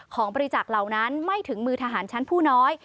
บริจักษ์เหล่านั้นไม่ถึงมือทหารชั้นผู้น้อย